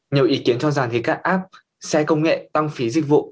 nhiều ý kiến cho rằng các app xe công nghệ tăng phí dịch vụ